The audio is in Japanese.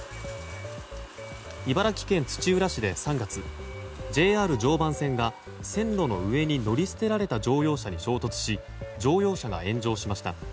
茨城県土浦市で３月ＪＲ常磐線が線路の上に乗り捨てられた乗用車に衝突し乗用車が炎上しました。